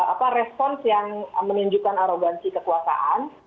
apa respons yang menunjukkan arogansi kekuasaan